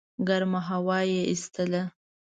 ګرمه هوا یې ایستله.